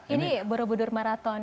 ini burbudur marathon